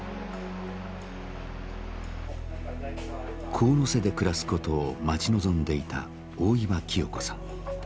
神瀬で暮らすことを待ち望んでいた大岩清子さん。